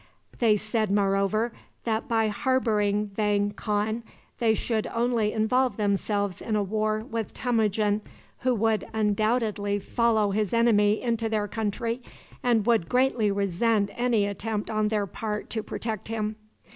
They said, moreover, that, by harboring Vang Khan, they should only involve themselves in a war with Temujin, who would undoubtedly follow his enemy into their country, and would greatly resent any attempt on their part to protect him.